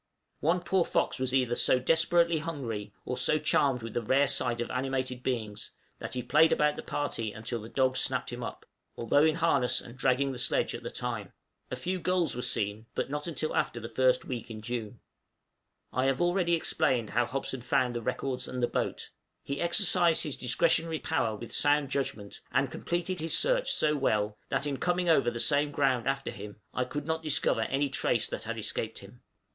One poor fox was either so desperately hungry, or so charmed with the rare sight of animated beings, that he played about the party until the dogs snapped him up, although in harness and dragging the sledge at the time. A few gulls were seen, but not until after the first week in June. I have already explained how Hobson found the records and the boat: he exercised his discretionary power with sound judgment, and completed his search so well, that, in coming over the same ground after him, I could not discover any trace that had escaped him.